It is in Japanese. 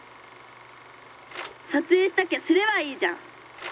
「さつえいしたきゃすればいいじゃん！」。